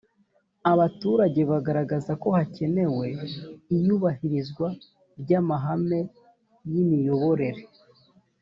abaturage bagaragaza ko hakenewe iyubahirizwa ry’amahame y’imiyoborere.